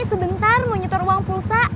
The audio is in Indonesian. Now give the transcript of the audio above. sebentar mau nyetor uang pulsa